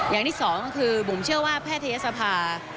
อย่างที่สองก็คือบุ๋มเชื่อว่าแพทยศภา